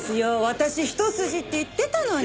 私一筋って言ってたのに。